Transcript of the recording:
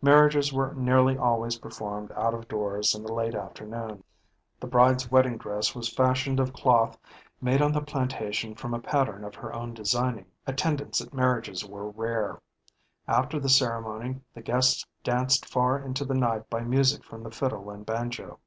Marriages were nearly always performed out of doors in the late afternoon. The bride's wedding dress was fashioned of cloth made on the plantation from a pattern of her own designing. Attendants at marriages were rare. After the ceremony, the guests danced far into the night by music from the fiddle and banjo.